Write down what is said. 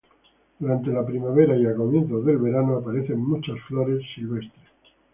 Durante la primavera y a comienzos del verano, aparecen muchas flores silvestres.